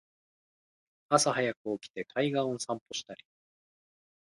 朝はやく起きて海岸を散歩したり